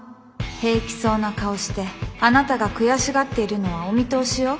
平気そうな顔してあなたが悔しがっているのはお見通しよ。